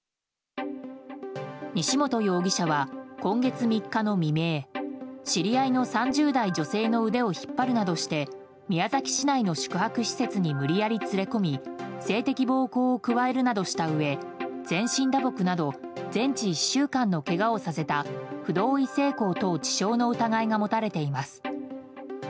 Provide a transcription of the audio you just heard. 西本容疑者は、今月３日の未明知り合いの３０代女性の腕を引っ張るなどして宮崎市内の宿泊施設に無理やり連れ込み性的暴行を加えるなどしたうえ全身打撲など全治１週間のけがをさせた不同意性交等致傷の疑いが持たれています。